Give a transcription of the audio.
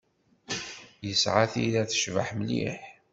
Yesɛa tira tecbeḥ mliḥ.